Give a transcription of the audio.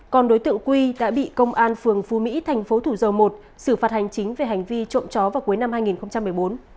còn đối tượng quy đã bị công an phường phú mỹ thành phố thủ dầu một xử phạt hành chính về hành vi trộm chó vào cuối năm hai nghìn một mươi bốn